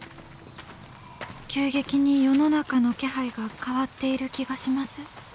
急激に世の中の気配が変わっている気がします。